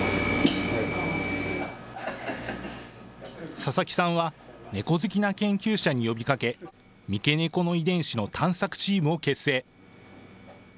佐々木さんは、猫好きな研究者に呼びかけ、三毛猫の遺伝子の探索チームを結成。